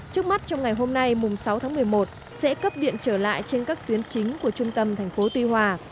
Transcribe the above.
trước mắt trong ngày hôm nay mùng sáu tháng một mươi một sẽ cấp điện trở lại trên các tuyến chính của trung tâm thành phố tuy hòa